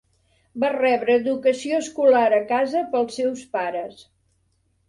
Va rebre educació escolar a casa pels seus pares.